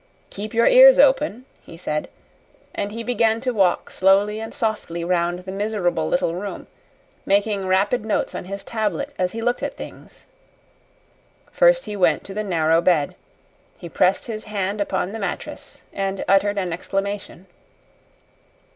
"Keep your ears open," he said; and he began to walk slowly and softly round the miserable little room, making rapid notes on his tablet as he looked at things. First he went to the narrow bed. He pressed his hand upon the mattress and uttered an exclamation.